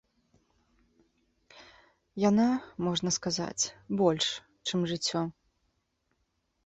Яна, можна сказаць, больш, чым жыццё.